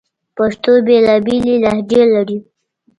پښتو بیلابیلي لهجې لري